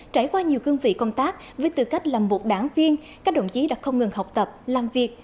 trải qua nhiều cương vị công tác với tư cách là một đảng viên các đồng chí đã không ngừng học tập làm việc